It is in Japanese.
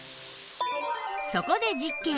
そこで実験